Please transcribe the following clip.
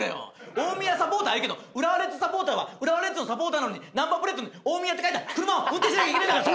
大宮サポーターはいいけど浦和レッズサポーターは浦和レッズのサポーターなのにナンバープレートに「大宮」って書いた車を運転しなきゃいけないんだから。